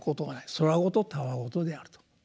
「空言」「戯言」であると。